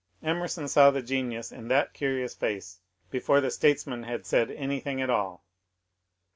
Emerson saw the genius in that curious face before the statesman had said anything at all.